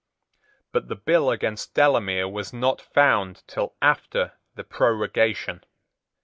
But the bill against Delamere was not found till after the prorogation.